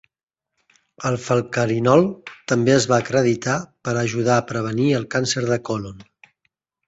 El Falcarinol també es va acreditar per ajudar a prevenir el càncer de còlon.